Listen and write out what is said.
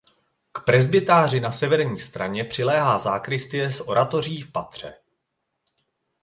K presbytáři na severní straně přiléhá sakristie s oratoří v patře.